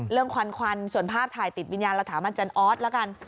ควันควันส่วนภาพถ่ายติดวิญญาณเราถามอาจารย์ออสแล้วกัน